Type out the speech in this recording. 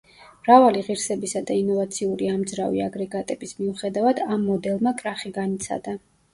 მრავალი ღირსებისა და ინოვაციური ამძრავი აგრეგატების მიუხედავად ამ მოდელმა კრახი განიცადა.